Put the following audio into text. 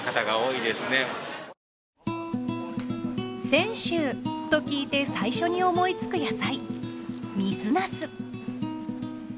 「泉州」と聞いて最初に思いつく野菜水ナス。